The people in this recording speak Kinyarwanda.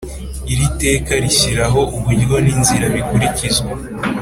Iri teka rishyiraho uburyo n inzira bikurikizwa